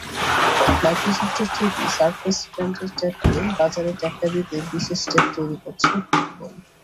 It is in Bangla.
মাইক্রোসফটের তৈরি সারফেস ব্র্যান্ডের ট্যাবকে বাজারে টেক্কা দিতে বিশেষ ট্যাব তৈরি করছে গুগল।